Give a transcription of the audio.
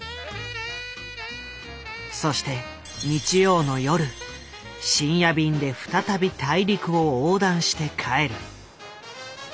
そして日曜の夜深夜便で再び大陸を横断して帰る。